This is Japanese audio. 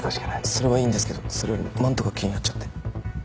それはいいんですけどそれよりマントが気になっちゃって。